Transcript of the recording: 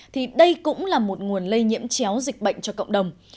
thì đây cũng là một nguồn lây nhiễm chéo dịch bệnh cho cộng đồng